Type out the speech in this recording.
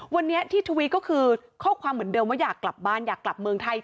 วันนี้ที่ทวิตก็คือข้อความเหมือนเดิมว่าอยากกลับบ้านอยากกลับเมืองไทย